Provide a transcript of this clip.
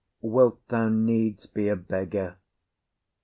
Wilt thou needs be a beggar?